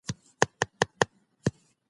د هرې ناکامۍ تر شا یوه تجربه ده.